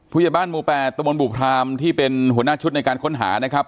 ผู้ใหญ่บ้านหมู่๘ตมบุพรามที่เป็นหัวหน้าชุดในการค้นหานะครับ